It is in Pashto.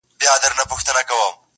له خپل ځانه مي کافر جوړ کړ ته نه وي،